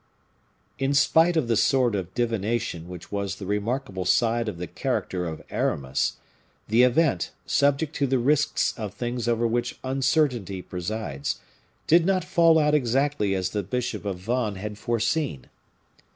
In spite of the sort of divination which was the remarkable side of the character of Aramis, the event, subject to the risks of things over which uncertainty presides, did not fall out exactly as the bishop of Vannes had foreseen.